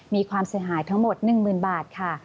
มีความเสียหายทั้งหมด๑๐๐๐บาทค่ะ